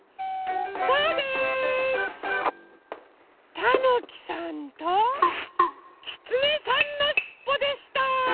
たぬきさんときつねさんのしっぽでした！